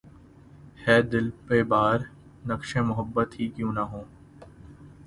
ہے دل پہ بار‘ نقشِ محبت ہی کیوں نہ ہو